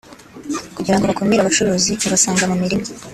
kugira ngo bakumire abacuruzi babasanga mu mirima